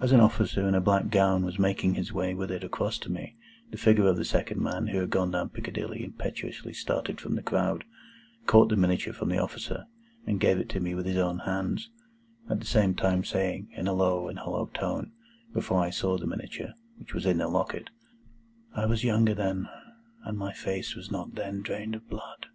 As an officer in a black gown was making his way with it across to me, the figure of the second man who had gone down Piccadilly impetuously started from the crowd, caught the miniature from the officer, and gave it to me with his own hands, at the same time saying, in a low and hollow tone,—before I saw the miniature, which was in a locket,—"I was younger then, and my face was not then drained of blood."